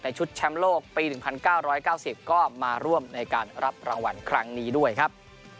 ชุดแชมป์โลกปี๑๙๙๐ก็มาร่วมในการรับรางวัลครั้งนี้ด้วยครับ